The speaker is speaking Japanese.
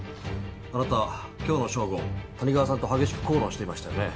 あなた今日の正午谷川さんと激しく口論していましたよね。